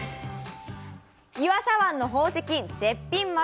湯浅湾の宝石絶品○○。